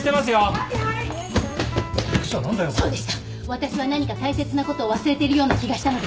私は何か大切なことを忘れてるような気がしたのでした。